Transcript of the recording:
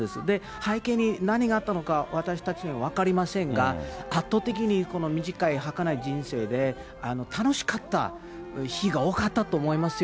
背景に何があったのか、私たちには分かりませんが、圧倒的にこの短い、はかない人生で、楽しかった日が多かったと思いますよ。